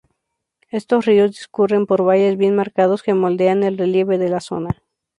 Estos ríos discurren por valles bien marcados que moldean el relieve de la zona.